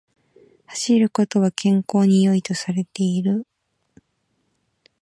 走ることは健康に良いとされている